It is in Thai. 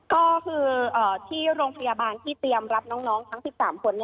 ก็คือที่โรงพยาบาลที่เตรียมรับน้องทั้ง๑๓คน